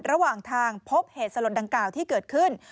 ระหว่างทางพบเหตุสลดดังกล่าวที่เกิดขึ้น